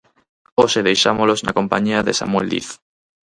Hoxe deixámolos na compañía de Samuel Diz.